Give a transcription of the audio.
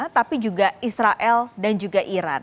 tapi juga israel dan juga iran